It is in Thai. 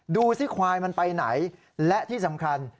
ดูสิควายมันไปไหนและที่สำคัญ